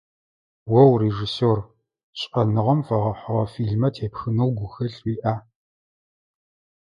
О урежиссер, шӏэныгъэм фэгъэхьыгъэ фильмэ тепхынэу гухэлъ уиӏа?